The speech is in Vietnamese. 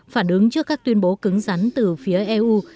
phản ứng trước các tuyên bố cứng rắn từ phía eu